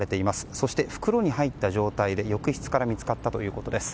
そして袋に入った状態で浴室から見つかったということです。